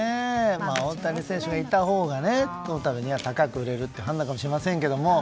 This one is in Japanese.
大谷選手がいたほうがトータルでは高く売れるという判断かもしれませんけど。